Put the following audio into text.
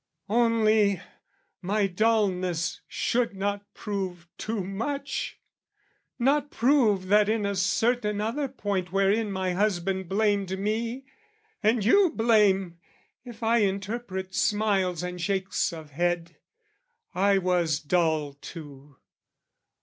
Only, my dulness should not prove too much! Not prove that in a certain other point Wherein my husband blamed me, and you blame, If I interpret smiles and shakes of head, I was dull too.